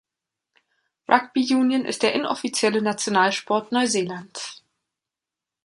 Rugby Union ist der inoffizielle Nationalsport Neuseelands.